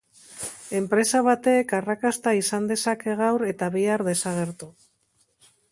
Enpresa batek arrakasta izan dezake gaur eta bihar desagertu.